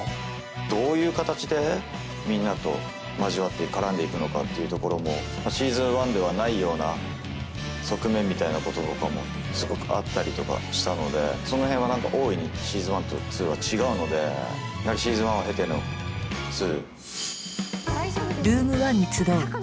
どういう形でみんなと交わって絡んでいくのかっていうところも「Ｓｅａｓｏｎ１」ではないような側面みたいなこととかもすごくあったりとかしたのでその辺は何か大いに「Ｓｅａｓｏｎ１」と「２」は違うのでやはり「Ｓｅａｓｏｎ１」を経ての「２」。